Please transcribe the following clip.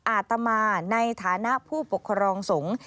อาตมาในฐานะผู้ปกครองสงฆ์